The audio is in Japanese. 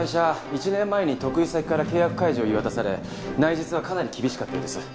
１年前に得意先から契約解除を言い渡され内実はかなり厳しかったようです。